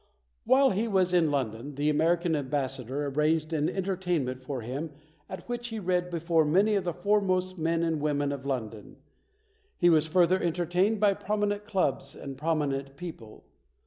While he was in London, the American Ambassador arranged an entertainment for him at which he read before many of the foremost men and women of Lon don. He was further entertained by prominent clubs and prominent people.